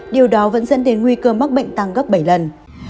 điều đó vẫn dẫn đến nguy cơ mắc bệnh tăng gấp bảy lần